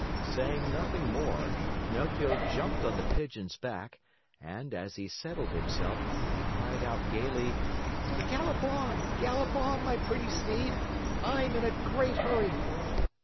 Saying nothing more, Pinocchio jumped on the Pigeon's back and, as he settled himself, he cried out gayly: "Gallop on, gallop on, my pretty steed! I'm in a great hurry."